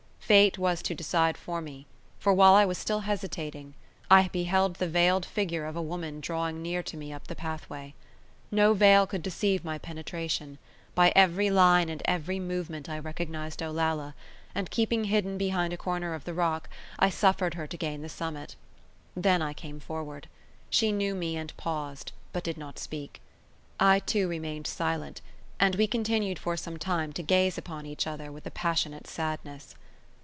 Fate was to decide for me; for, while I was still hesitating, I beheld the veiled figure of a woman drawing near to me up the pathway. No veil could deceive my penetration; by every line and every movement I recognised Olalla; and keeping hidden behind a corner of the rock, I suffered her to gain the summit. Then I came forward. She knew me and paused, but did not speak; I, too, remained silent; and we continued for some time to gaze upon each other with a passionate sadness.